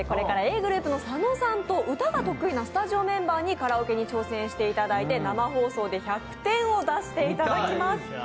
Ｇｒｏｕｐの佐野さんと歌が得意なスタジオメンバーにカラオケに挑戦していただいて生放送で１００点を出していただきます。